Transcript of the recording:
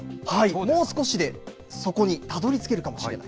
もう少しでそこにたどりつけるかもしれない。